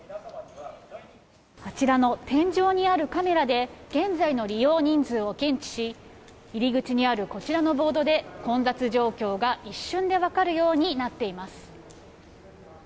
あちらの天井にあるカメラで現在の利用人数を検知し入り口にあるこちらのボードで混雑状況が一瞬で分かるようになっています。